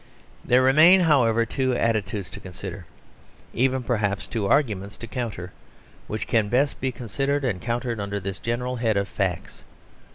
There remain, however, two attitudes to consider, even perhaps two arguments to counter, which can best be considered and countered under this general head of facts.